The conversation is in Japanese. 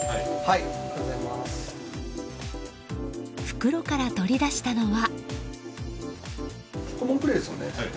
袋から取り出したのは。